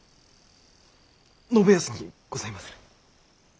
信康にございまする！